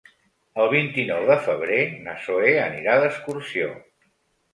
El vint-i-nou de febrer na Zoè anirà d'excursió.